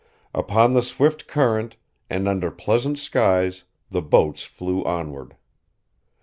Upon the swift current, and under pleasant skies, the boats flew onward.